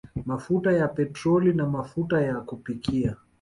Mafuta ya petroli na mafuta ya kupikia